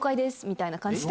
みたいな感じ。